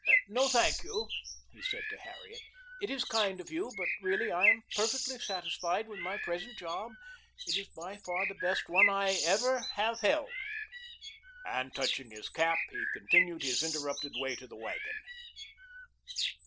"No, thank you," he said to Harriet, "it is kind of you, but really I am perfectly satisfied with my present job. It is by far the best one I have ever held," and touching his cap, he continued his interrupted way to his wagon.